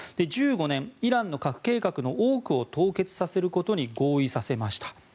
１５年、イランの核計画の多くを凍結させることに合意させました。